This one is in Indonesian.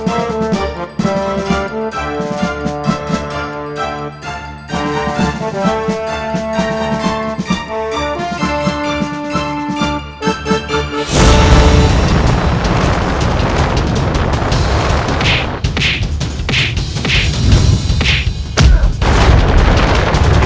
aduh kayak gitu